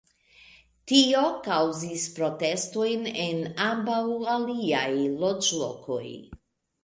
Tio kaŭzis protestojn en ambaŭ aliaj loĝlokoj.